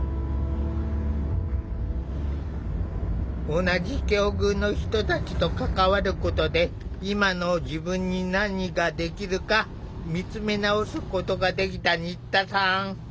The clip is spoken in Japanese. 同じ境遇の人たちと関わることで今の自分に何ができるか見つめ直すことができた新田さん。